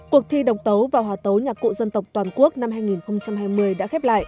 cuộc thi độc tấu và hòa tấu nhạc cụ dân tộc toàn quốc năm hai nghìn hai mươi đã khép lại